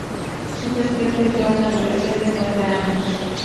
Su gestión tendrá una duración de nueve años.